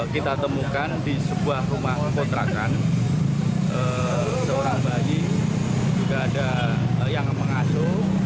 kita temukan di sebuah rumah kontrakan seorang bayi juga ada yang mengasuh